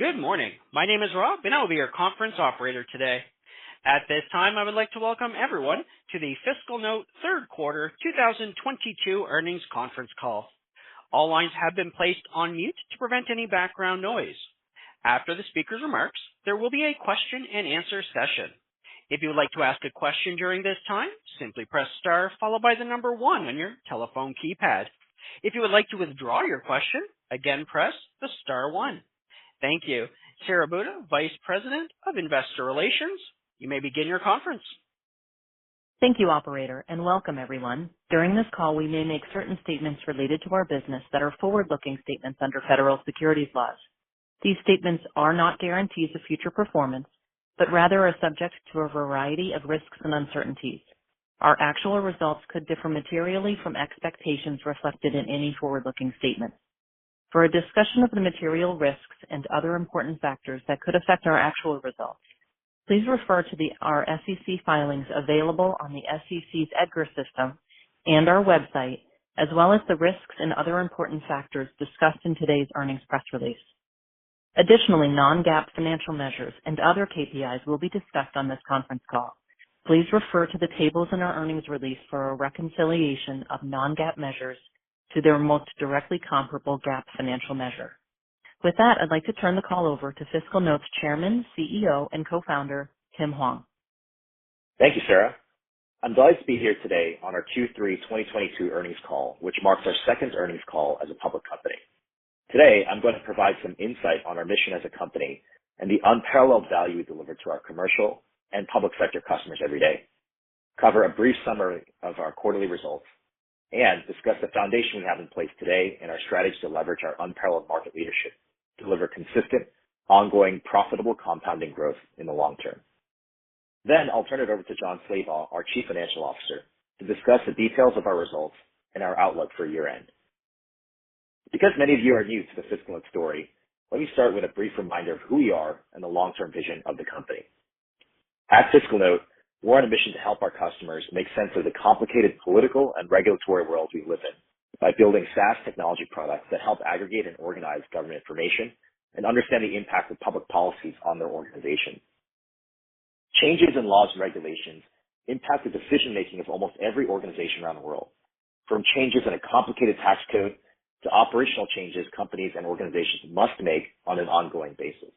Good morning. My name is Rob, and I will be your conference operator today. At this time, I would like to welcome everyone to the FiscalNote Third Quarter 2022 Earnings Conference Call. All lines have been placed on mute to prevent any background noise. After the speakers' remarks, there will be a question and answer session. If you would like to ask a question during this time, simply press star followed by the number one on your telephone keypad. If you would like to withdraw your question, again, press the star one. Thank you. Sara Buda, Vice President of Investor Relations, you may begin your conference. Thank you, operator, and welcome everyone. During this call, we may make certain statements related to our business that are forward-looking statements under federal securities laws. These statements are not guarantees of future performance, but rather are subject to a variety of risks and uncertainties. Our actual results could differ materially from expectations reflected in any forward-looking statement. For a discussion of the material risks and other important factors that could affect our actual results, please refer to our SEC filings available on the SEC's EDGAR system and our website, as well as the risks and other important factors discussed in today's earnings press release. Additionally, non-GAAP financial measures and other KPIs will be discussed on this conference call. Please refer to the tables in our earnings release for a reconciliation of non-GAAP measures to their most directly comparable GAAP financial measure. With that, I'd like to turn the call over to FiscalNote's Chairman, CEO, and Co-Founder, Tim Hwang. Thank you, Sara. I'm delighted to be here today on our Q3 2022 earnings call, which marks our second earnings call as a public company. Today, I'm gonna provide some insight on our mission as a company and the unparalleled value we deliver to our commercial and public sector customers every day, cover a brief summary of our quarterly results, and discuss the foundation we have in place today and our strategy to leverage our unparalleled market leadership to deliver consistent, ongoing, profitable compounding growth in the long term. Then I'll turn it over to Jon Slabaugh, our Chief Financial Officer, to discuss the details of our results and our outlook for year-end. Because many of you are new to the FiscalNote story, let me start with a brief reminder of who we are and the long-term vision of the company. At FiscalNote, we're on a mission to help our customers make sense of the complicated political and regulatory world we live in by building SaaS technology products that help aggregate and organize government information and understand the impact of public policies on their organization. Changes in laws and regulations impact the decision-making of almost every organization around the world, from changes in a complicated tax code to operational changes companies and organizations must make on an ongoing basis.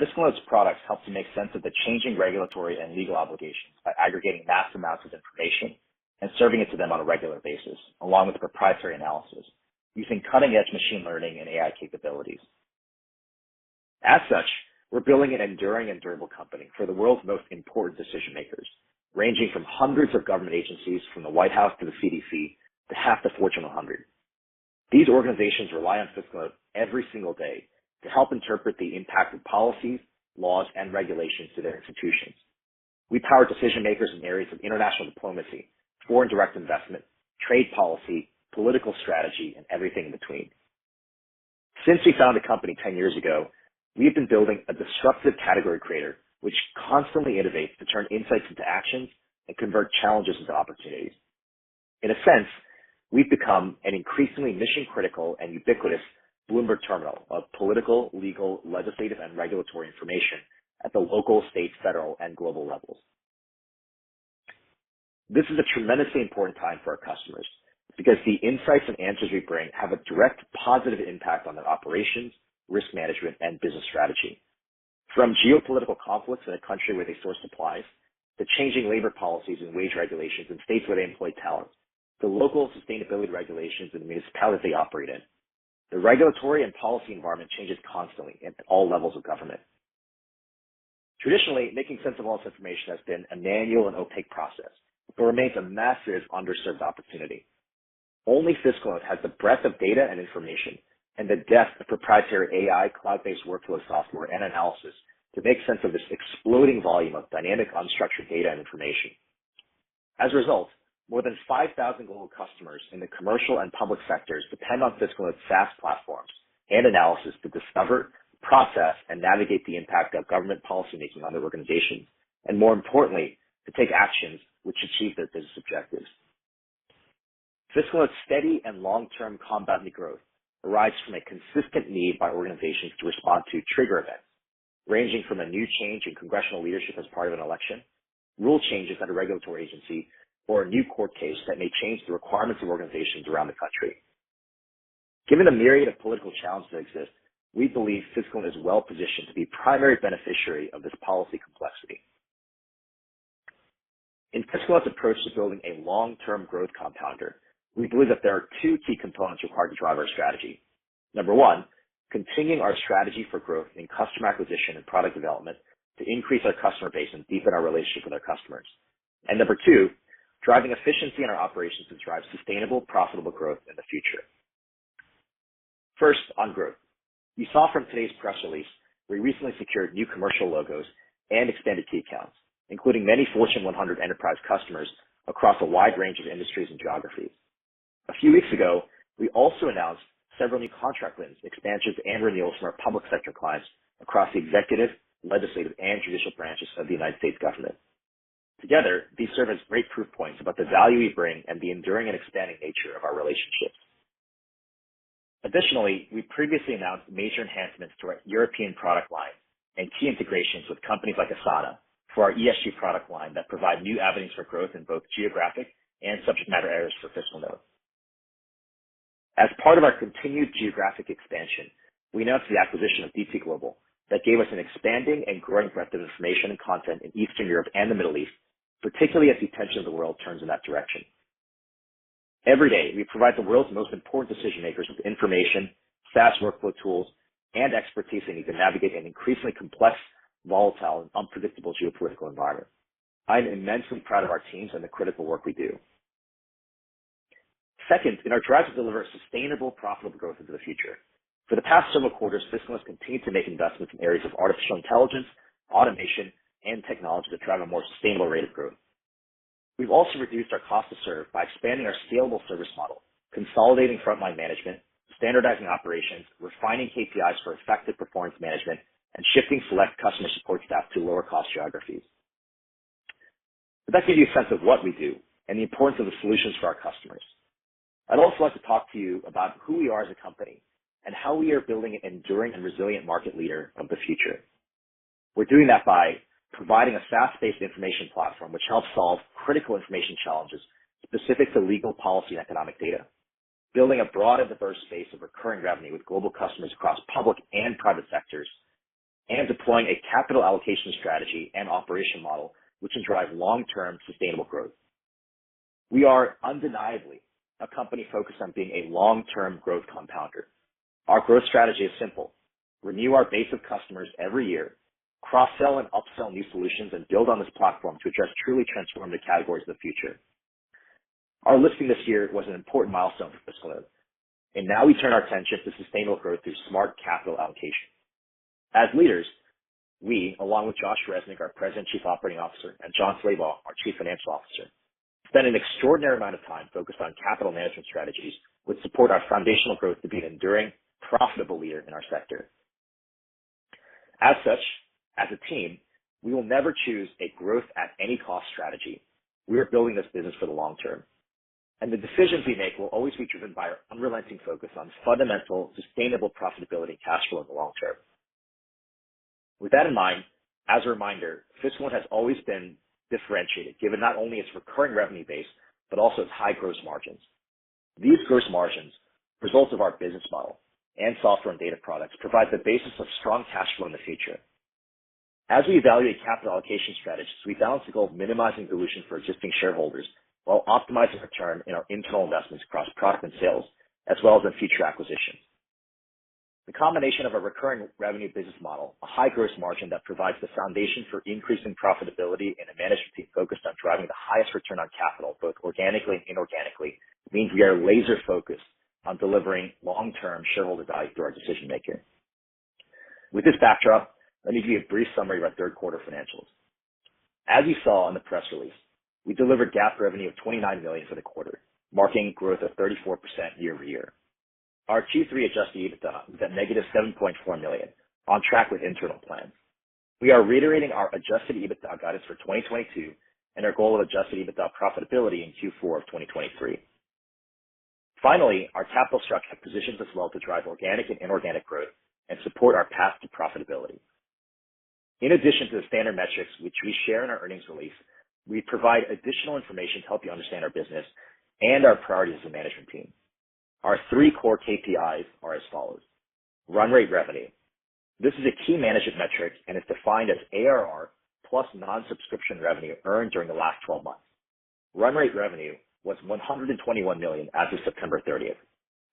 FiscalNote's products help to make sense of the changing regulatory and legal obligations by aggregating vast amounts of information and serving it to them on a regular basis, along with the proprietary analysis using cutting-edge machine learning and AI capabilities. As such, we're building an enduring and durable company for the world's most important decision-makers, ranging from hundreds of government agencies, from the White House to the CDC, to half the Fortune 100. These organizations rely on FiscalNote every single day to help interpret the impact of policies, laws, and regulations to their institutions. We power decision-makers in areas of international diplomacy, foreign direct investment, trade policy, political strategy, and everything in between. Since we founded the company 10 years ago, we have been building a disruptive category creator, which constantly innovates to turn insights into actions and convert challenges into opportunities. In a sense, we've become an increasingly mission-critical and ubiquitous Bloomberg Terminal of political, legal, legislative, and regulatory information at the local, state, federal, and global levels. This is a tremendously important time for our customers because the insights and answers we bring have a direct positive impact on their operations, risk management, and business strategy. From geopolitical conflicts in a country where they source supplies, to changing labor policies and wage regulations in states where they employ talent, to local sustainability regulations in the municipalities they operate in, the regulatory and policy environment changes constantly at all levels of government. Traditionally, making sense of all this information has been a manual and opaque process, but remains a massive underserved opportunity. Only FiscalNote has the breadth of data and information and the depth of proprietary AI, cloud-based workflow software, and analysis to make sense of this exploding volume of dynamic, unstructured data information. As a result, more than 5,000 global customers in the commercial and public sectors depend on FiscalNote's SaaS platforms and analysis to discover, process, and navigate the impact of government policymaking on their organizations, and more importantly, to take actions which achieve their business objectives. FiscalNote's steady and long-term compounding growth arises from a consistent need by organizations to respond to trigger events, ranging from a new change in congressional leadership as part of an election, rule changes at a regulatory agency, or a new court case that may change the requirements of organizations around the country. Given the myriad of political challenges that exist, we believe FiscalNote is well positioned to be primary beneficiary of this policy complexity. In FiscalNote's approach to building a long-term growth compounder, we believe that there are two key components required to drive our strategy. Number one, continuing our strategy for growth in customer acquisition and product development to increase our customer base and deepen our relationship with our customers. Number two, driving efficiency in our operations to drive sustainable, profitable growth in the future. First, on growth. You saw from today's press release, we recently secured new commercial logos and expanded key accounts, including many Fortune 100 enterprise customers across a wide range of industries and geographies. A few weeks ago, we also announced several new contract wins, expansions, and renewals from our public sector clients across the executive, legislative, and judicial branches of the United States government. Together, these serve as great proof points about the value we bring and the enduring and expanding nature of our relationships. Additionally, we previously announced major enhancements to our European product line and key integrations with companies like Asana for our ESG product line that provide new avenues for growth in both geographic and subject matter areas for FiscalNote. As part of our continued geographic expansion, we announced the acquisition of Dragonfly Intelligence that gave us an expanding and growing breadth of information and content in Eastern Europe and the Middle East, particularly as the attention of the world turns in that direction. Every day, we provide the world's most important decision-makers with information, fast workflow tools, and expertise they need to navigate an increasingly complex, volatile, and unpredictable geopolitical environment. I'm immensely proud of our teams and the critical work we do. Second, in our drive to deliver a sustainable, profitable growth into the future, for the past several quarters, FiscalNote has continued to make investments in areas of artificial intelligence, automation, and technology to drive a more sustainable rate of growth. We've also reduced our cost to serve by expanding our scalable service model, consolidating frontline management, standardizing operations, refining KPIs for effective performance management, and shifting select customer support staff to lower cost geographies. That gives you a sense of what we do and the importance of the solutions for our customers. I'd also like to talk to you about who we are as a company and how we are building an enduring and resilient market leader of the future. We're doing that by providing a SaaS-based information platform which helps solve critical information challenges specific to legal policy and economic data, building a broad and diverse base of recurring revenue with global customers across public and private sectors, and deploying a capital allocation strategy and operation model which will drive long-term sustainable growth. We are undeniably a company focused on being a long-term growth compounder. Our growth strategy is simple. Renew our base of customers every year, cross-sell and upsell new solutions, and build on this platform to address truly transformative categories of the future. Our listing this year was an important milestone for FiscalNote, and now we turn our attention to sustainable growth through smart capital allocation. As leaders, we, along with Josh Resnik, our President and Chief Operating Officer, and Jon Slabaugh, our Chief Financial Officer, spend an extraordinary amount of time focused on capital management strategies which support our foundational growth to be an enduring, profitable leader in our sector. As such, as a team, we will never choose a growth at any cost strategy. We are building this business for the long term, and the decisions we make will always be driven by our unrelenting focus on fundamental, sustainable profitability and cash flow in the long term. With that in mind, as a reminder, FiscalNote has always been differentiated, given not only its recurring revenue base but also its high gross margins. These gross margins, results of our business model and software and data products, provide the basis of strong cash flow in the future. As we evaluate capital allocation strategies, we balance the goal of minimizing dilution for existing shareholders while optimizing return in our internal investments across product and sales, as well as in future acquisitions. The combination of a recurring revenue business model, a high gross margin that provides the foundation for increasing profitability, and a management team focused on driving the highest return on capital, both organically and inorganically, means we are laser focused on delivering long-term shareholder value through our decision-making. With this backdrop, let me give you a brief summary of our third quarter financials. As you saw in the press release, we delivered GAAP revenue of $29 million for the quarter, marking growth of 34% year-over-year. Our Q3 adjusted EBITDA was at negative $7.4 million, on track with internal plans. We are reiterating our adjusted EBITDA guidance for 2022 and our goal of adjusted EBITDA profitability in Q4 of 2023. Finally, our capital structure positions us well to drive organic and inorganic growth and support our path to profitability. In addition to the standard metrics which we share in our earnings release, we provide additional information to help you understand our business and our priorities as a management team. Our three core KPIs are as follows. Run rate revenue. This is a key management metric and is defined as ARR plus non-subscription revenue earned during the last 12 months. Run rate revenue was $121 million as of September 30th.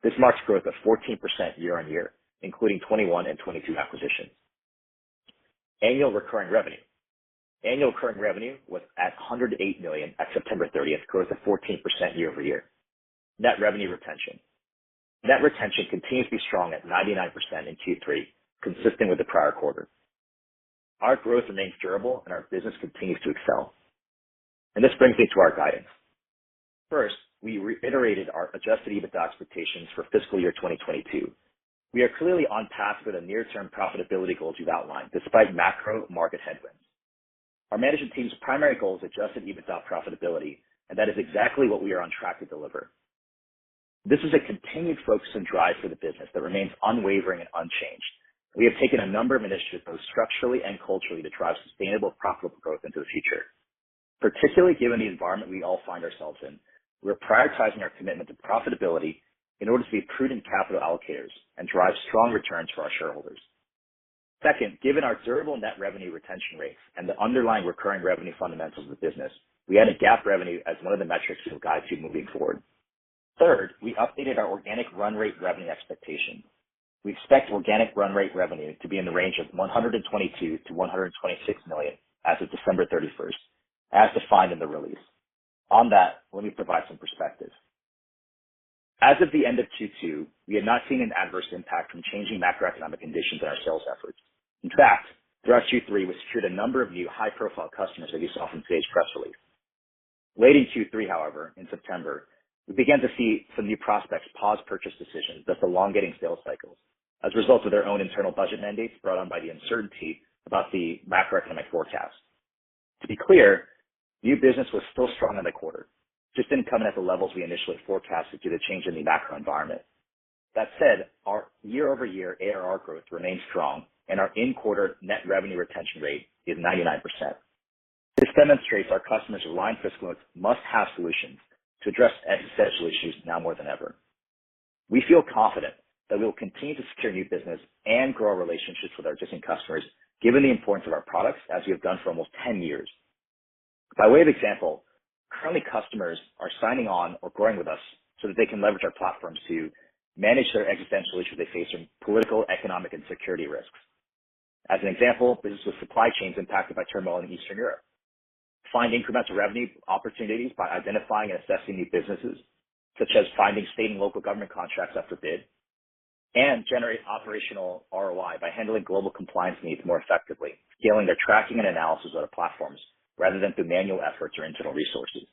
This marks growth of 14% year-over-year, including 2021 and 2022 acquisitions. Annual recurring revenue. Annual recurring revenue was at $108 million at September 30, growth of 14% year-over-year. Net revenue retention. Net retention continues to be strong at 99% in Q3, consistent with the prior quarter. Our growth remains durable and our business continues to excel. This brings me to our guidance. First, we reiterated our adjusted EBITDA expectations for fiscal year 2022. We are clearly on path with the near-term profitability goals we've outlined despite macro market headwinds. Our management team's primary goal is adjusted EBITDA profitability, and that is exactly what we are on track to deliver. This is a continued focus and drive for the business that remains unwavering and unchanged. We have taken a number of initiatives, both structurally and culturally, to drive sustainable, profitable growth into the future. Particularly given the environment we all find ourselves in, we're prioritizing our commitment to profitability in order to be prudent capital allocators and drive strong returns for our shareholders. Second, given our durable net revenue retention rates and the underlying recurring revenue fundamentals of the business, we added GAAP revenue as one of the metrics we will guide to moving forward. Third, we updated our organic run rate revenue expectation. We expect organic run rate revenue to be in the range of $122 million-$126 million as of December 31, as defined in the release. On that, let me provide some perspective. As of the end of Q2, we have not seen an adverse impact from changing macroeconomic conditions in our sales efforts. In fact, throughout Q3, we secured a number of new high-profile customers that you saw from today's press release. Late in Q3 however, in September, we began to see some new prospects pause purchase decisions thus elongating sales cycles as a result of their own internal budget mandates brought on by the uncertainty about the macroeconomic forecast. To be clear, new business was still strong in the quarter, just didn't come in at the levels we initially forecasted due to change in the macro environment. That said, our year-over-year ARR growth remains strong and our in-quarter net revenue retention rate is 99%. This demonstrates our customers rely on FiscalNote's must-have solutions to address existential issues now more than ever. We feel confident that we'll continue to secure new business and grow our relationships with our existing customers, given the importance of our products as we have done for almost 10 years. By way of example, currently customers are signing on or growing with us so that they can leverage our platforms to manage their existential issues they face in political, economic, and security risks. As an example, business with supply chains impacted by turmoil in Eastern Europe. Find incremental revenue opportunities by identifying and assessing new businesses, such as finding state and local government contracts up for bid, and generate operational ROI by handling global compliance needs more effectively, scaling their tracking and analysis on our platforms rather than through manual efforts or internal resources.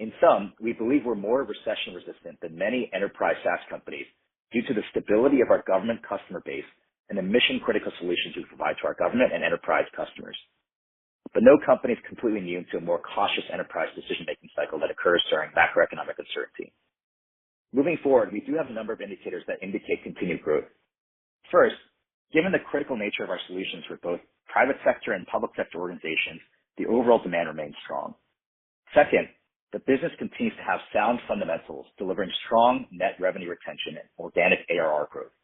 In sum, we believe we're more recession resistant than many enterprise SaaS companies due to the stability of our government customer base and the mission-critical solutions we provide to our government and enterprise customers. No company is completely immune to a more cautious enterprise decision-making cycle that occurs during macroeconomic uncertainty. Moving forward, we do have a number of indicators that indicate continued growth. First, given the critical nature of our solutions for both private sector and public sector organizations, the overall demand remains strong. Second, the business continues to have sound fundamentals, delivering strong net revenue retention and organic ARR growth.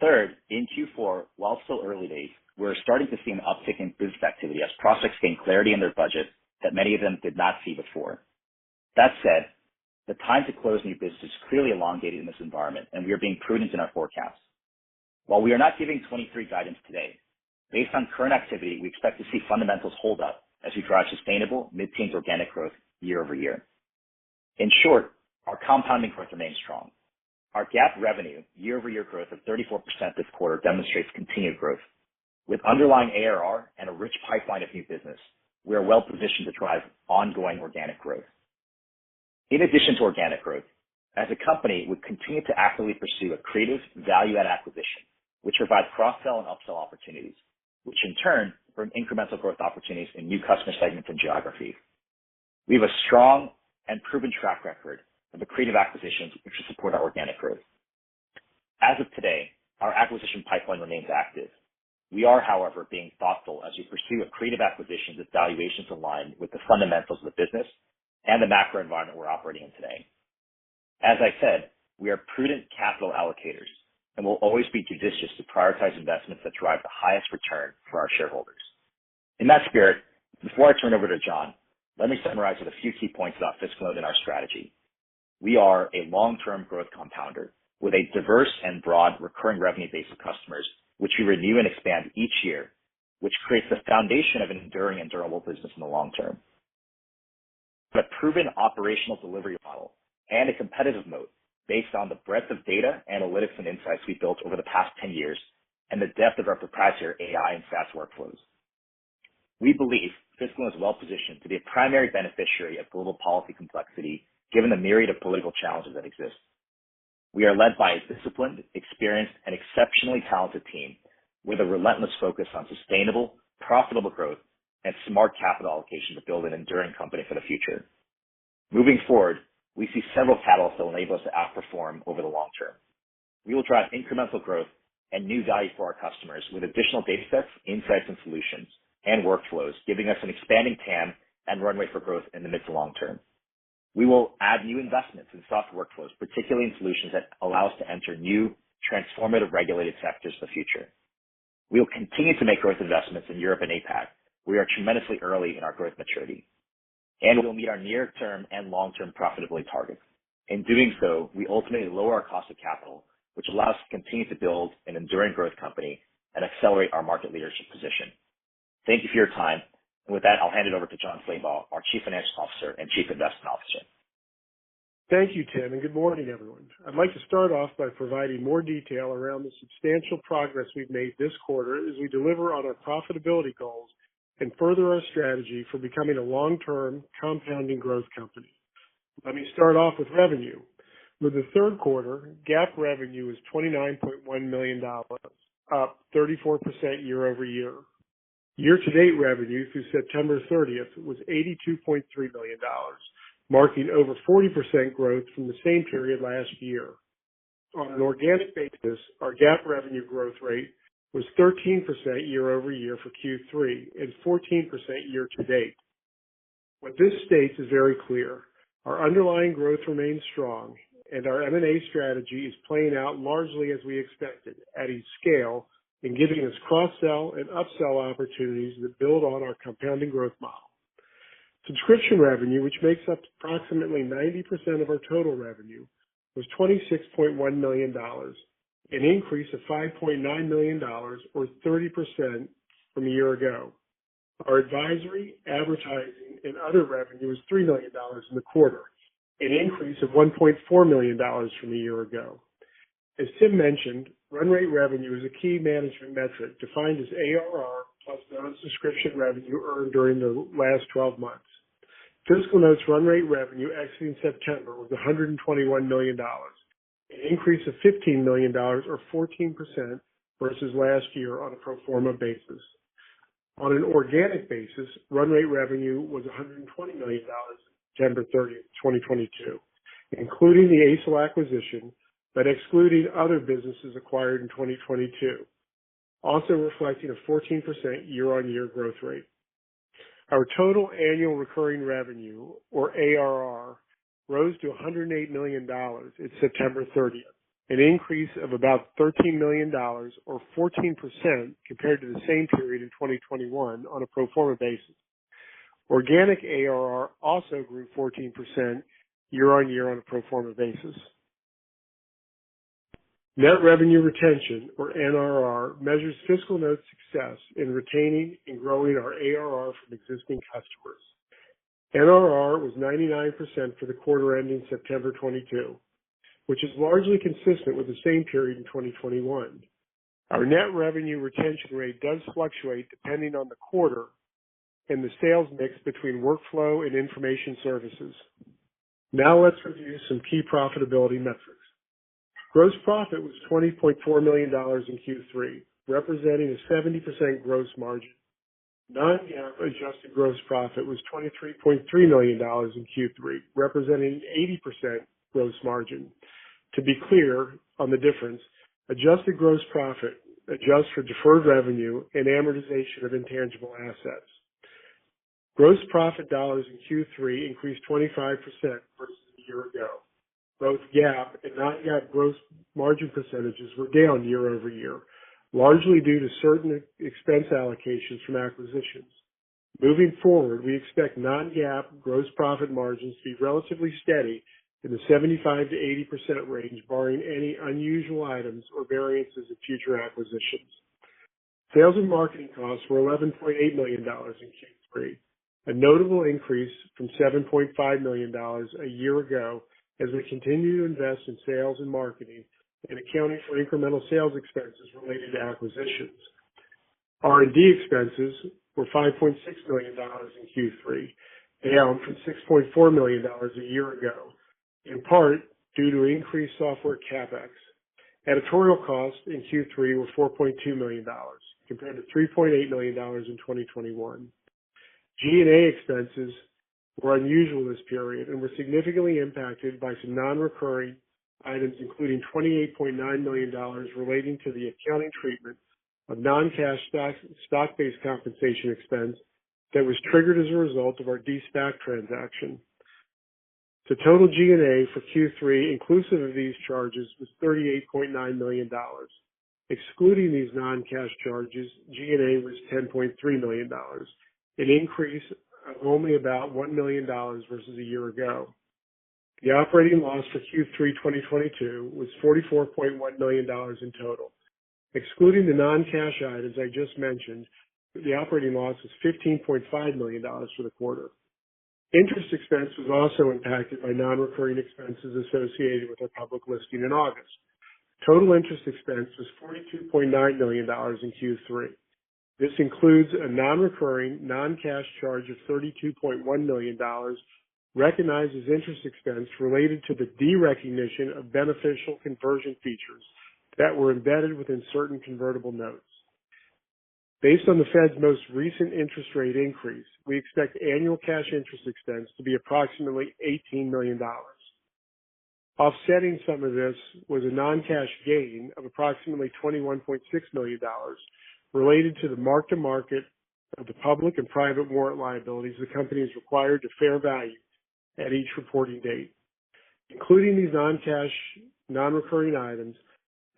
Third, in Q4, while still early days, we're starting to see an uptick in business activity as prospects gain clarity in their budget that many of them did not see before. That said, the time to close new business is clearly elongated in this environment, and we are being prudent in our forecasts. While we are not giving 2023 guidance today, based on current activity, we expect to see fundamentals hold up as we drive sustainable mid-teens organic growth year-over-year. In short, our compounding growth remains strong. Our GAAP revenue year-over-year growth of 34% this quarter demonstrates continued growth. With underlying ARR and a rich pipeline of new business, we are well positioned to drive ongoing organic growth. In addition to organic growth, as a company, we continue to actively pursue accretive value add acquisition, which provides cross-sell and upsell opportunities, which in turn bring incremental growth opportunities in new customer segments and geographies. We have a strong and proven track record of accretive acquisitions which will support our organic growth. As of today, our acquisition pipeline remains active. We are, however, being thoughtful as we pursue accretive acquisitions with valuations aligned with the fundamentals of the business and the macro environment we're operating in today. As I said, we are prudent capital allocators, and we'll always be judicious to prioritize investments that drive the highest return for our shareholders. In that spirit, before I turn over to Jon, let me summarize with a few key points about FiscalNote and our strategy. We are a long-term growth compounder with a diverse and broad recurring revenue base of customers, which we renew and expand each year, which creates the foundation of an enduring and durable business in the long term. With a proven operational delivery model and a competitive moat based on the breadth of data, analytics, and insights we've built over the past 10 years and the depth of our proprietary AI and SaaS workflows. We believe FiscalNote is well positioned to be a primary beneficiary of global policy complexity, given the myriad of political challenges that exist. We are led by a disciplined, experienced, and exceptionally talented team with a relentless focus on sustainable, profitable growth and smart capital allocation to build an enduring company for the future. Moving forward, we see several catalysts that will enable us to outperform over the long term. We will drive incremental growth and new value for our customers with additional datasets, insights and solutions, and workflows, giving us an expanding TAM and runway for growth in the mid to long term. We will add new investments in software workflows, particularly in solutions that allow us to enter new transformative regulated sectors in the future. We will continue to make growth investments in Europe and APAC. We are tremendously early in our growth maturity, and we will meet our near-term and long-term profitability targets. In doing so, we ultimately lower our cost of capital, which allows us to continue to build an enduring growth company and accelerate our market leadership position. Thank you for your time. With that, I'll hand it over to Jon Slabaugh, our Chief Financial Officer and Chief Investment Officer. Thank you, Tim, and good morning, everyone. I'd like to start off by providing more detail around the substantial progress we've made this quarter as we deliver on our profitability goals and further our strategy for becoming a long-term compounding growth company. Let me start off with revenue. With the third quarter, GAAP revenue was $29.1 million, up 34% year-over-year. Year to date revenue through September 30th was $82.3 million, marking over 40% growth from the same period last year. On an organic basis, our GAAP revenue growth rate was 13% year-over-year for Q3 and 14% year to date. What this states is very clear. Our underlying growth remains strong and our M&A strategy is playing out largely as we expected, adding scale and giving us cross-sell and upsell opportunities that build on our compounding growth model. Subscription revenue, which makes up approximately 90% of our total revenue, was $26.1 million, an increase of $5.9 million or 30% from a year ago. Our advisory, advertising, and other revenue is $3 million in the quarter, an increase of $1.4 million from a year ago. As Tim mentioned, run rate revenue is a key management metric defined as ARR plus non-subscription revenue earned during the last 12 months. FiscalNote's run rate revenue exiting September was $121 million, an increase of $15 million or 14% versus last year on a pro forma basis. On an organic basis, run rate revenue was $120 million September 30, 2022, including the Aicel acquisition, but excluding other businesses acquired in 2022, also reflecting a 14% year-on-year growth rate. Our total annual recurring revenue or ARR rose to $108 million in September 30, an increase of about $13 million or 14% compared to the same period in 2021 on a pro forma basis. Organic ARR also grew 14% year-on-year on a pro forma basis. Net revenue retention, or NRR, measures FiscalNote's success in retaining and growing our ARR from existing customers. NRR was 99% for the quarter ending September 2022, which is largely consistent with the same period in 2021. Our net revenue retention rate does fluctuate depending on the quarter and the sales mix between workflow and information services. Now let's review some key profitability metrics. Gross profit was $20.4 million in Q3, representing a 70% gross margin. Non-GAAP adjusted gross profit was $23.3 million in Q3, representing 80% gross margin. To be clear on the difference, adjusted gross profit adjusts for deferred revenue and amortization of intangible assets. Gross profit dollars in Q3 increased 25% versus a year ago. Both GAAP and non-GAAP gross margin percentages were down year-over-year, largely due to certain expense allocations from acquisitions. Moving forward, we expect non-GAAP gross profit margins to be relatively steady in the 75%-80% range, barring any unusual items or variances of future acquisitions. Sales and marketing costs were $11.8 million in Q3, a notable increase from $7.5 million a year ago as we continue to invest in sales and marketing and accounting for incremental sales expenses related to acquisitions. R&D expenses were $5.6 million in Q3, down from $6.4 million a year ago, in part due to increased software CapEx. Editorial costs in Q3 were $4.2 million compared to $3.8 million in 2021. G&A expenses were unusual this period and were significantly impacted by some non-recurring items, including $28.9 million relating to the accounting treatment of non-cash stock-based compensation expense that was triggered as a result of our de-SPAC transaction. The total G&A for Q3 inclusive of these charges was $38.9 million. Excluding these non-cash charges, G&A was $10.3 million, an increase of only about $1 million versus a year ago. The operating loss for Q3 2022 was $44.1 million in total. Excluding the non-cash items I just mentioned, the operating loss was $15.5 million for the quarter. Interest expense was also impacted by non-recurring expenses associated with our public listing in August. Total interest expense was $42.9 million in Q3. This includes a non-recurring non-cash charge of $32.1 million, recognized as interest expense related to the derecognition of beneficial conversion features that were embedded within certain convertible notes. Based on the Fed's most recent interest rate increase, we expect annual cash interest expense to be approximately $18 million. Offsetting some of this was a non-cash gain of approximately $21.6 million related to the mark-to-market of the public and private warrant liabilities the company is required to fair value at each reporting date. Including these non-cash non-recurring items,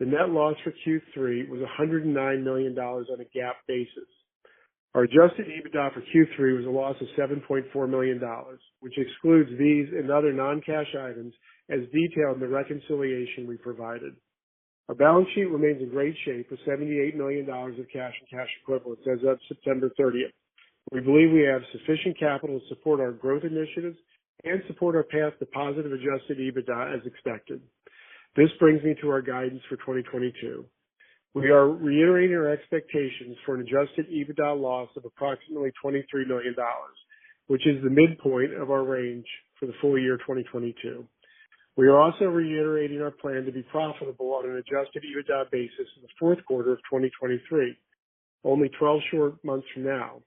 the net loss for Q3 was $109 million on a GAAP basis. Our adjusted EBITDA for Q3 was a loss of $7.4 million, which excludes these and other non-cash items as detailed in the reconciliation we provided. Our balance sheet remains in great shape, with $78 million of cash and cash equivalents as of September 30th. We believe we have sufficient capital to support our growth initiatives and support our path to positive adjusted EBITDA as expected. This brings me to our guidance for 2022. We are reiterating our expectations for an adjusted EBITDA loss of approximately $23 million, which is the midpoint of our range for the full year 2022. We are also reiterating our plan to be profitable on an adjusted EBITDA basis in the fourth quarter of 2023, only 12 short months from now.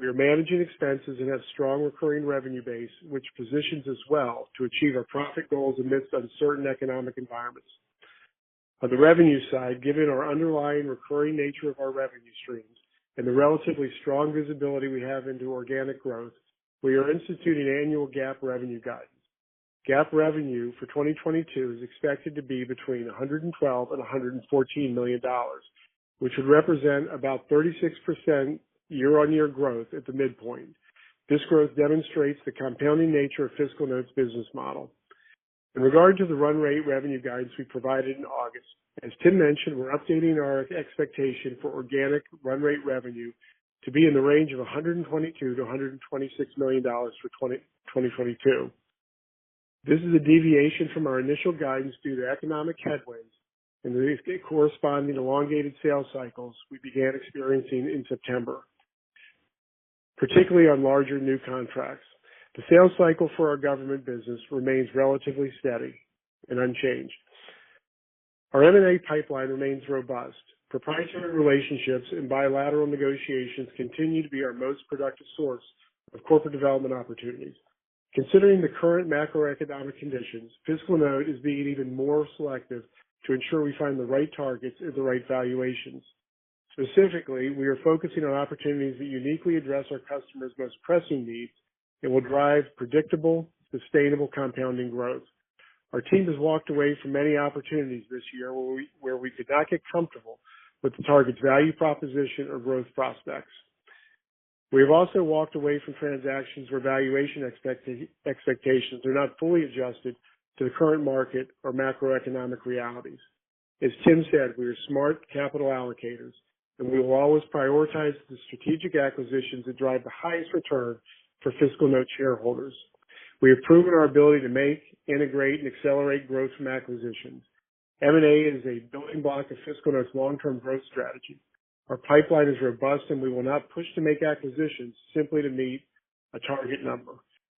We are managing expenses and have strong recurring revenue base, which positions us well to achieve our profit goals amidst uncertain economic environments. On the revenue side, given our underlying recurring nature of our revenue streams and the relatively strong visibility we have into organic growth, we are instituting annual GAAP revenue guidance. GAAP revenue for 2022 is expected to be between $112 million and $114 million, which would represent about 36% year-on-year growth at the midpoint. This growth demonstrates the compounding nature of FiscalNote's business model. In regard to the run rate revenue guidance we provided in August, as Tim mentioned, we're updating our expectation for organic run rate revenue to be in the range of $122 million-$126 million for 2022. This is a deviation from our initial guidance due to economic headwinds and the corresponding elongated sales cycles we began experiencing in September, particularly on larger new contracts. The sales cycle for our government business remains relatively steady and unchanged. Our M&A pipeline remains robust. Proprietary relationships and bilateral negotiations continue to be our most productive source of corporate development opportunities. Considering the current macroeconomic conditions, FiscalNote is being even more selective to ensure we find the right targets at the right valuations. Specifically, we are focusing on opportunities that uniquely address our customers' most pressing needs and will drive predictable, sustainable compounding growth. Our team has walked away from many opportunities this year where we did not get comfortable with the target's value proposition or growth prospects. We have also walked away from transactions where valuation expectations are not fully adjusted to the current market or macroeconomic realities. As Tim said, we are smart capital allocators, and we will always prioritize the strategic acquisitions that drive the highest return for FiscalNote shareholders. We have proven our ability to make, integrate, and accelerate growth from acquisitions. M&A is a building block of FiscalNote's long-term growth strategy. Our pipeline is robust, and we will not push to make acquisitions simply to meet a target number.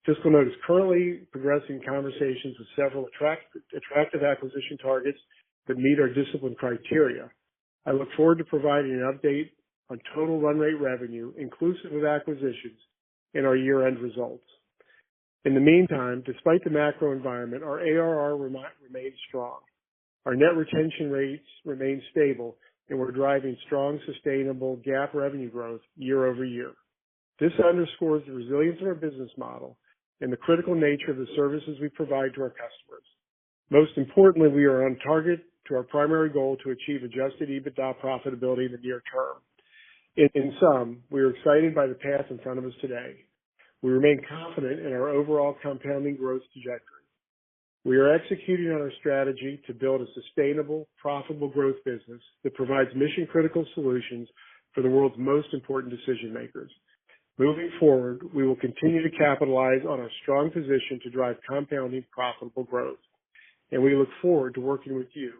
FiscalNote is currently progressing conversations with several attractive acquisition targets that meet our discipline criteria. I look forward to providing an update on total run rate revenue inclusive of acquisitions in our year-end results. In the meantime, despite the macro environment, our ARR remains strong. Our net retention rates remain stable, and we're driving strong, sustainable GAAP revenue growth year over year. This underscores the resilience of our business model and the critical nature of the services we provide to our customers. Most importantly, we are on target to our primary goal to achieve adjusted EBITDA profitability in the near term. In sum, we are excited by the path in front of us today. We remain confident in our overall compounding growth trajectory. We are executing on our strategy to build a sustainable, profitable growth business that provides mission-critical solutions for the world's most important decision makers. Moving forward, we will continue to capitalize on our strong position to drive compounding profitable growth, and we look forward to working with you,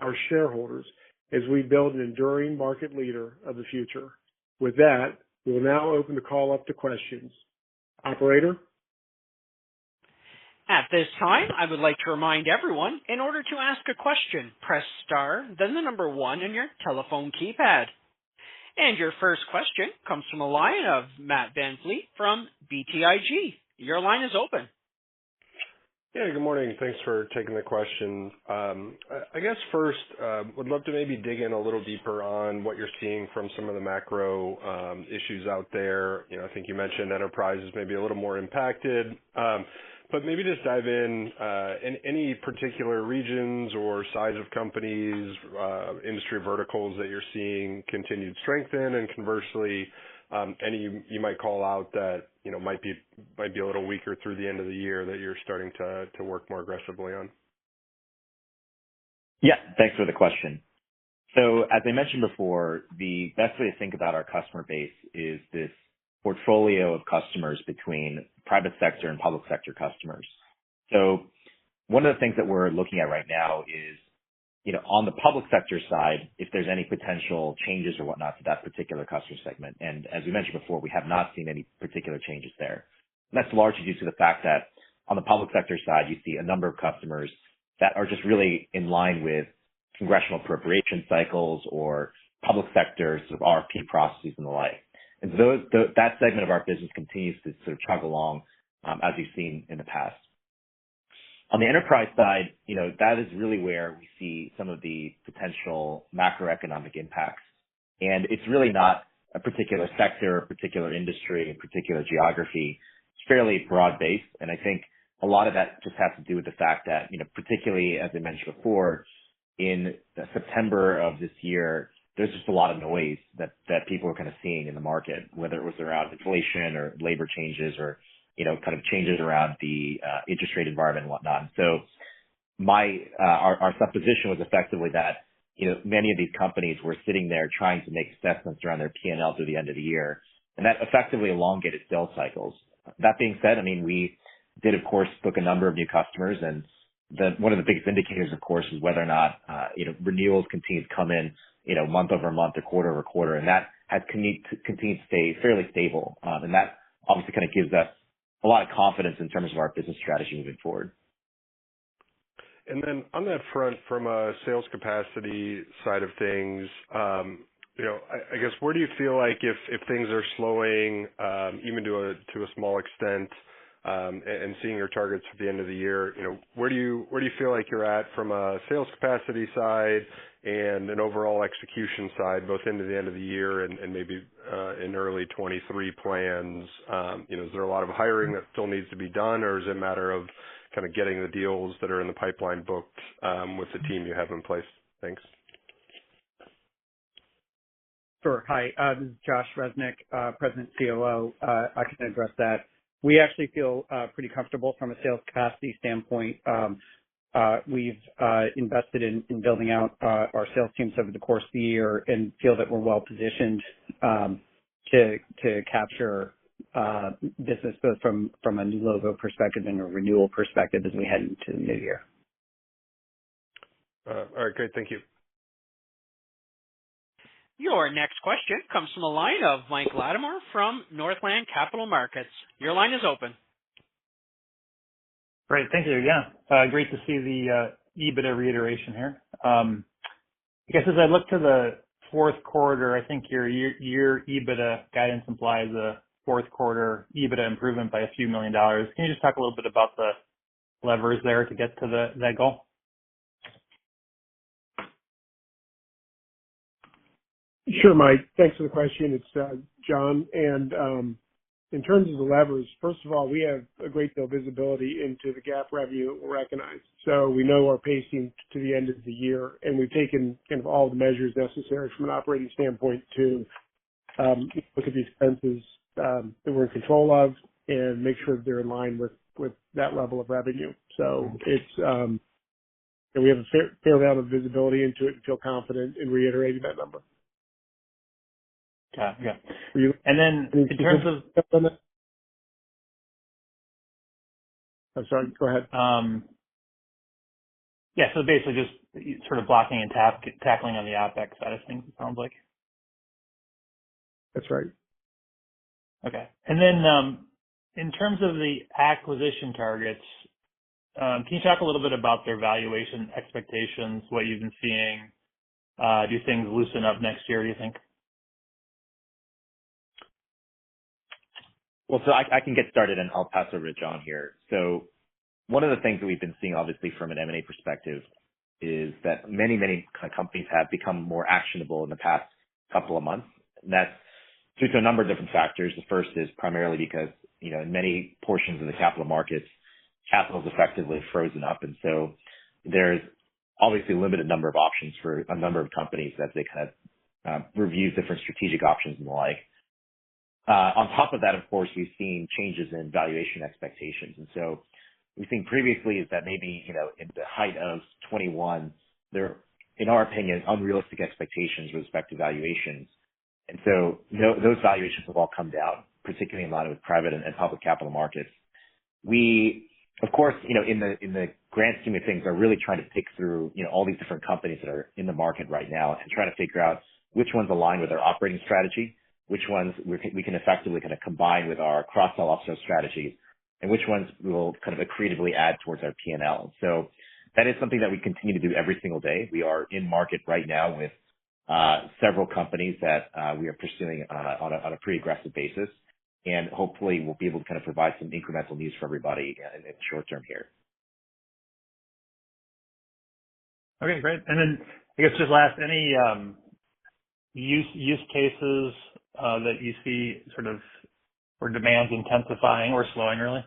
our shareholders, as we build an enduring market leader of the future. With that, we'll now open the call up to questions. Operator? At this time, I would like to remind everyone, in order to ask a question, press star, then the number one on your telephone keypad. Your first question comes from the line of Matt VanVliet from BTIG. Your line is open. Yeah, good morning. Thanks for taking the question. I guess first, would love to maybe dig in a little deeper on what you're seeing from some of the macro issues out there. You know, I think you mentioned enterprises may be a little more impacted. But maybe just dive in, any particular regions or size of companies, industry verticals that you're seeing continued strength in, and conversely, any you might call out that, you know, might be a little weaker through the end of the year that you're starting to work more aggressively on. Yeah. Thanks for the question. As I mentioned before, the best way to think about our customer base is this portfolio of customers between private sector and public sector customers. One of the things that we're looking at right now is, you know, on the public sector side, if there's any potential changes or whatnot to that particular customer segment. As we mentioned before, we have not seen any particular changes there. That's largely due to the fact that on the public sector side, you see a number of customers that are just really in line with congressional appropriation cycles or public sector sort of RFP processes and the like. That segment of our business continues to sort of chug along as we've seen in the past. On the enterprise side, you know, that is really where we see some of the potential macroeconomic impacts. It's really not a particular sector, a particular industry, a particular geography. It's fairly broad-based, and I think a lot of that just has to do with the fact that, you know, particularly as I mentioned before, in September of this year, there's just a lot of noise that people are kind of seeing in the market, whether it was around inflation or labor changes or, you know, kind of changes around the interest rate environment and whatnot. Our supposition was effectively that, you know, many of these companies were sitting there trying to make assessments around their P&L through the end of the year, and that effectively elongated sales cycles. That being said, I mean, we did of course book a number of new customers, and the one of the biggest indicators of course is whether or not, you know, renewals continue to come in, you know, month-over-month or quarter-over-quarter, and that has continued to stay fairly stable. That obviously kind of gives us a lot of confidence in terms of our business strategy moving forward. On that front from a sales capacity side of things, you know, I guess where do you feel like if things are slowing, even to a small extent, and seeing your targets for the end of the year, you know, where do you feel like you're at from a sales capacity side and an overall execution side, both into the end of the year and maybe in early 2023 plans? You know, is there a lot of hiring that still needs to be done, or is it a matter of kind of getting the deals that are in the pipeline booked, with the team you have in place? Thanks. Sure. Hi, this is Josh Resnik, President and COO. I can address that. We actually feel pretty comfortable from a sales capacity standpoint. We've invested in building out our sales teams over the course of the year and feel that we're well positioned. To capture business both from a new logo perspective and a renewal perspective as we head into the new year. All right, great. Thank you. Your next question comes from the line of Mike Latimore from Northland Capital Markets. Your line is open. Great. Thank you. Yeah. Great to see the EBITDA reiteration here. I guess as I look to the fourth quarter, I think your year-over-year EBITDA guidance implies a fourth quarter EBITDA improvement by a few million dollars. Can you just talk a little bit about the levers there to get to that goal? Sure, Mike. Thanks for the question. It's Jon. In terms of the levers, first of all, we have a great deal of visibility into the GAAP revenue recognized. We know our pacing to the end of the year, and we've taken kind of all the measures necessary from an operating standpoint to look at the expenses that we're in control of and make sure they're in line with that level of revenue. We have a fair amount of visibility into it and feel confident in reiterating that number. Got it. Yeah. In terms of-- I'm sorry. Go ahead. Basically just sort of blocking and tackling on the OpEx side of things, it sounds like. That's right. Okay. In terms of the acquisition targets, can you talk a little bit about their valuation expectations, what you've been seeing? Do things loosen up next year, do you think? Well, I can get started, and I'll pass over to Jon here. One of the things that we've been seeing, obviously from an M&A perspective, is that many, many kind of companies have become more actionable in the past couple of months. That's due to a number of different factors. The first is primarily because, you know, in many portions of the capital markets, capital's effectively frozen up. There's obviously a limited number of options for a number of companies as they kind of review different strategic options and the like. On top of that, of course, we've seen changes in valuation expectations. We've seen previously is that maybe, you know, in the height of 2021, there, in our opinion, unrealistic expectations with respect to valuations. Those valuations have all come down, particularly in a lot of private and public capital markets. We, of course, you know, in the grand scheme of things, are really trying to pick through, you know, all these different companies that are in the market right now and try to figure out which ones align with our operating strategy, which ones we can effectively kind of combine with our cross-sell/up-sell strategy, and which ones we will kind of accretively add towards our P&L. That is something that we continue to do every single day. We are in market right now with several companies that we are pursuing on a pretty aggressive basis. Hopefully we'll be able to kind of provide some incremental news for everybody in the short term here. Okay, great. Then I guess just last, any use cases that you see sort of where demand's intensifying or slowing early?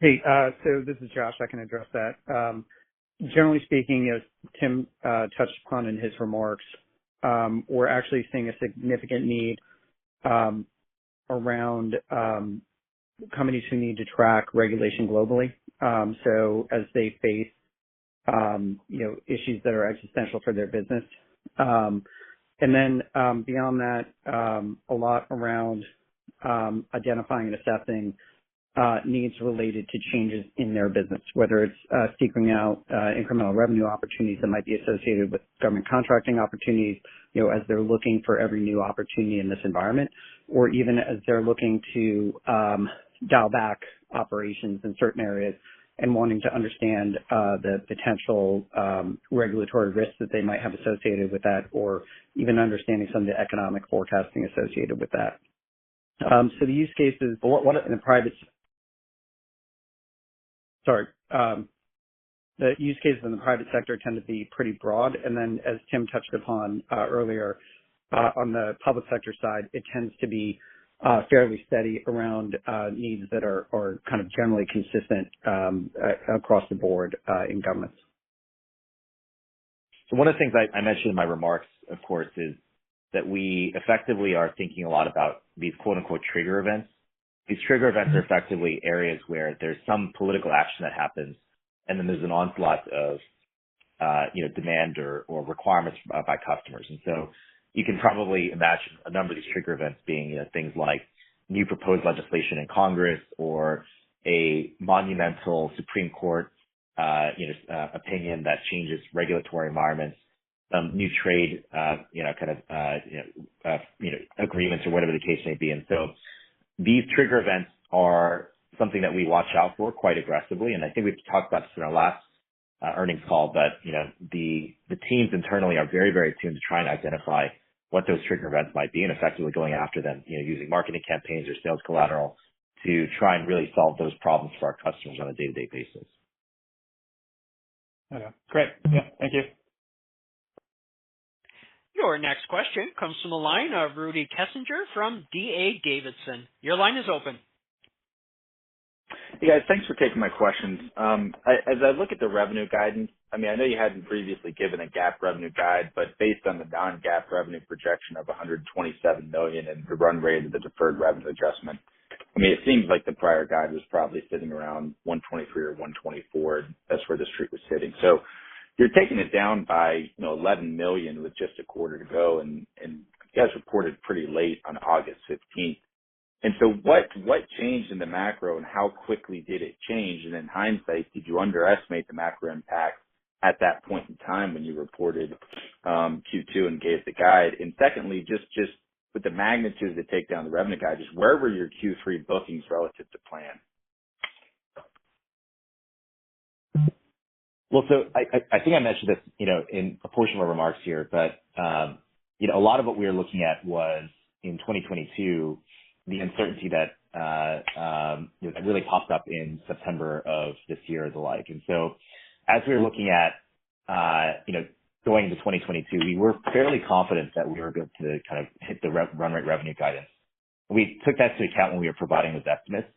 Hey, this is Josh, I can address that. Generally speaking, as Tim touched upon in his remarks, we're actually seeing a significant need around companies who need to track regulation globally, so as they face, you know, issues that are existential for their business. Beyond that, a lot around identifying and assessing needs related to changes in their business, whether it's seeking out incremental revenue opportunities that might be associated with government contracting opportunities, you know, as they're looking for every new opportunity in this environment, or even as they're looking to dial back operations in certain areas and wanting to understand the potential regulatory risks that they might have associated with that or even understanding some of the economic forecasting associated with that. The use cases in the private sector tend to be pretty broad. Then as Tim touched upon earlier, on the public sector side, it tends to be fairly steady around needs that are kind of generally consistent across the board in governments. One of the things I mentioned in my remarks, of course, is that we effectively are thinking a lot about these quote-unquote "trigger events." These trigger events are effectively areas where there's some political action that happens, and then there's an onslaught of you know demand or requirements by customers. You can probably imagine a number of these trigger events being you know things like new proposed legislation in Congress or a monumental Supreme Court you know opinion that changes regulatory environments, new trade you know kind of you know agreements or whatever the case may be. These trigger events are something that we watch out for quite aggressively, and I think we've talked about this in our last earnings call. You know, the teams internally are very, very attuned to trying to identify what those trigger events might be and effectively going after them, you know, using marketing campaigns or sales collateral to try and really solve those problems for our customers on a day-to-day basis. Okay. Great. Yeah. Thank you. Your next question comes from the line of Rudy Kessinger from D.A. Davidson. Your line is open. Hey, guys. Thanks for taking my questions. As I look at the revenue guidance, I mean, I know you hadn't previously given a GAAP revenue guide, but based on the non-GAAP revenue projection of $127 million and the run rate of the deferred revenue adjustment. I mean, it seems like the prior guide was probably sitting around $123 million or $124 million. That's where the street was sitting. You're taking it down by, you know, $11 million with just a quarter to go, and you guys reported pretty late on August 15th. What changed in the macro, and how quickly did it change? In hindsight, did you underestimate the macro impact at that point in time when you reported Q2 and gave the guide? Secondly, just with the magnitude to take down the revenue guide, just where were your Q3 bookings relative to plan? I think I mentioned this, you know, in a portion of my remarks here, but, you know, a lot of what we were looking at was in 2022, the uncertainty that, you know, that really popped up in September of this year as of late. As we were looking at, you know, going into 2022, we were fairly confident that we were going to kind of hit the run rate revenue guidance. We took that into account when we were providing those estimates.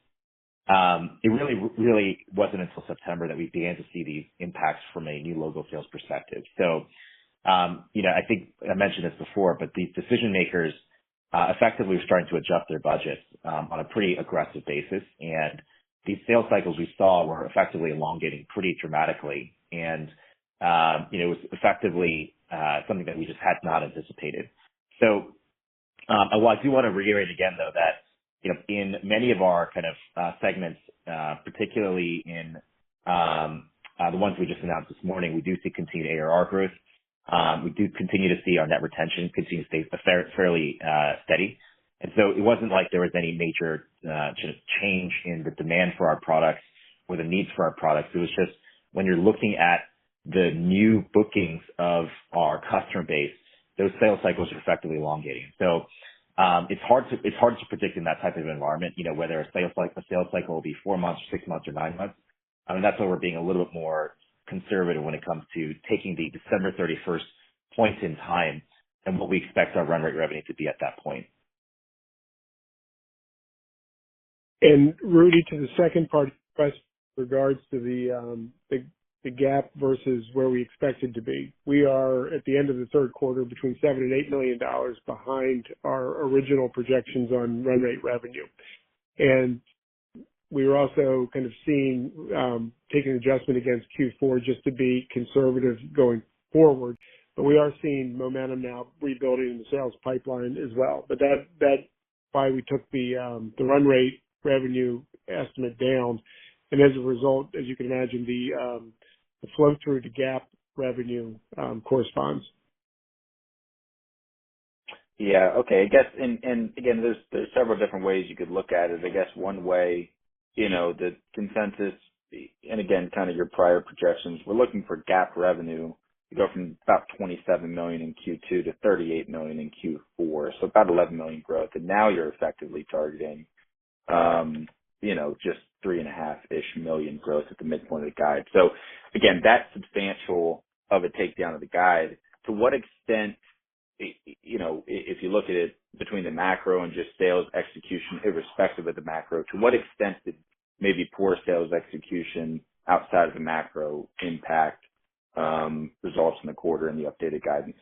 It really wasn't until September that we began to see the impacts from a new logo sales perspective. I think I mentioned this before, but these decision makers effectively were starting to adjust their budgets on a pretty aggressive basis. These sales cycles we saw were effectively elongating pretty dramatically. You know, it was effectively something that we just had not anticipated. Well, I do wanna reiterate again, though, that you know, in many of our kind of segments, particularly in the ones we just announced this morning, we do see continued ARR growth. We do continue to see our net retention continue to stay fairly steady. It wasn't like there was any major just change in the demand for our products or the needs for our products. It was just when you're looking at the new bookings of our customer base, those sales cycles are effectively elongating. It's hard to predict in that type of environment, you know, whether a sales cycle will be four months or six months or nine months. I mean, that's why we're being a little bit more conservative when it comes to taking the December 31 point in time and what we expect our run rate revenue to be at that point. Rudy, to the second part, with regards to the GAAP versus where we expect it to be. We are, at the end of the third quarter, between $7 million and $8 million behind our original projections on run rate revenue. We were also kind of seeing taking an adjustment against Q4 just to be conservative going forward. We are seeing momentum now rebuilding in the sales pipeline as well. That is why we took the run rate revenue estimate down. As a result, as you can imagine, the flow through the GAAP revenue corresponds. Yeah. Okay. I guess, and again, there's several different ways you could look at it. I guess one way, you know, the consensus, and again, kind of your prior projections, we're looking for GAAP revenue to go from about $27 million in Q2 to $38 million in Q4, so about $11 million growth. Now you're effectively targeting, you know, just $3.5 million-ish growth at the midpoint of the guide. Again, that's substantial of a takedown of the guide. To what extent, you know, if you look at it between the macro and just sales execution, irrespective of the macro, to what extent did maybe poor sales execution outside of the macro impact results in the quarter and the updated guidance?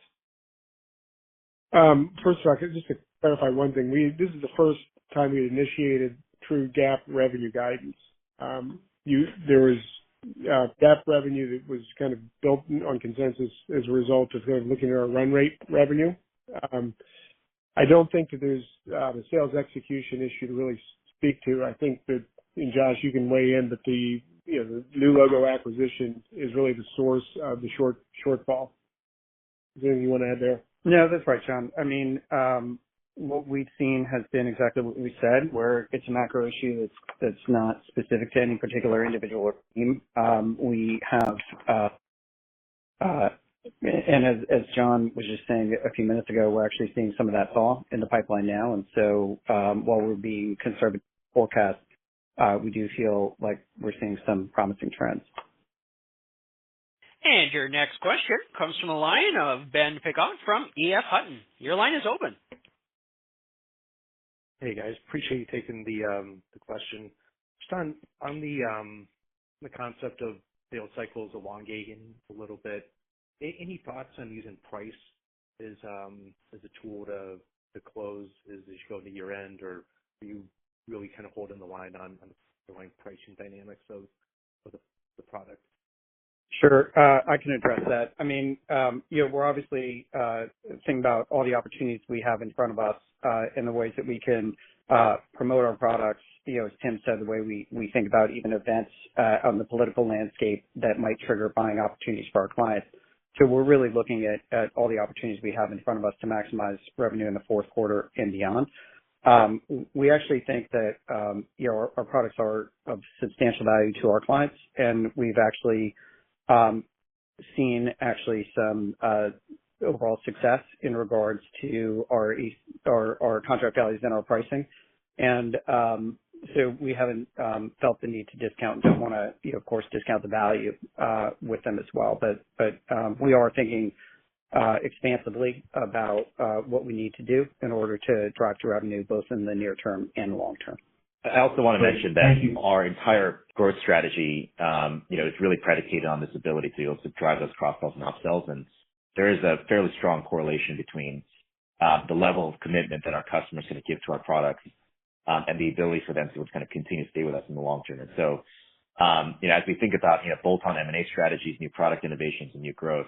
First off, just to clarify one thing. This is the first time we initiated true GAAP revenue guidance. There was GAAP revenue that was kind of built on consensus as a result of kind of looking at our run rate revenue. I don't think that there's the sales execution issue to really speak to. I think that Josh, you can weigh in, but you know, the new logo acquisition is really the source of the shortfall. Is there anything you wanna add there? No, that's right, Jon. I mean, what we've seen has been exactly what we said, where it's a macro issue that's not specific to any particular individual or team. As Jon was just saying a few minutes ago, we're actually seeing some of that fall in the pipeline now. While we're being conservative in the forecast, we do feel like we're seeing some promising trends. Your next question comes from the line of Ben Piggott from EF Hutton. Your line is open. Hey, guys, appreciate you taking the question. Just on the concept of sales cycles elongating a little bit, any thoughts on using price as a tool to close as you go to year-end? Or are you really kind of holding the line on pricing dynamics of the products? Sure. I can address that. I mean, you know, we're obviously thinking about all the opportunities we have in front of us, and the ways that we can promote our products. You know, as Tim said, the way we think about even events on the political landscape that might trigger buying opportunities for our clients. We're really looking at all the opportunities we have in front of us to maximize revenue in the fourth quarter and beyond. We actually think that, you know, our products are of substantial value to our clients, and we've actually seen actually some overall success in regards to our contract values and our pricing. We haven't felt the need to discount. Don't wanna, you know, of course, discount the value with them as well. We are thinking expansively about what we need to do in order to drive to revenue both in the near term and long term. I also wanna mention that our entire growth strategy, you know, is really predicated on this ability to be able to drive those cross sells and up sells. There is a fairly strong correlation between the level of commitment that our customers gonna give to our products and the ability for them to kind of continue to stay with us in the long term. You know, as we think about, you know, bolt-on M&A strategies, new product innovations, and new growth,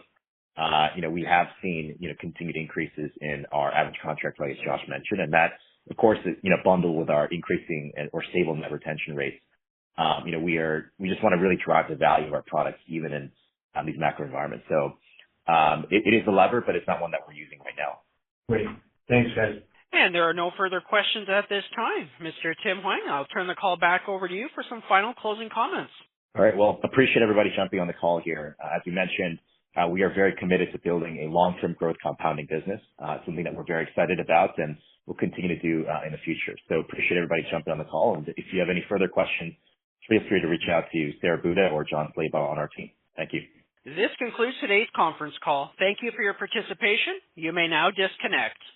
you know, we have seen, you know, continued increases in our average contract price, Josh mentioned. That, of course, is, you know, bundled with our increasing and/or stable net retention rates. We just wanna really drive the value of our products even in these macro environments. It is a lever, but it's not one that we're using right now. Great. Thanks, guys. There are no further questions at this time. Mr. Tim Hwang, I'll turn the call back over to you for some final closing comments. All right. Well, appreciate everybody jumping on the call here. As we mentioned, we are very committed to building a long-term growth compounding business, something that we're very excited about and we'll continue to do, in the future. Appreciate everybody jumping on the call. If you have any further questions, feel free to reach out to Sara Buda or Jon Slabaugh on our team. Thank you. This concludes today's conference call. Thank you for your participation. You may now disconnect.